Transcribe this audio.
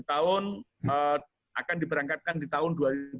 dua ribu dua puluh akan diberangkatkan di tahun dua ribu dua puluh satu